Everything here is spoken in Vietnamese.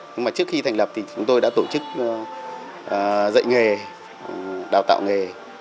nhưng mà trước khi thành lập thì chúng tôi đã tổ chức dạy nghề đào tạo nghề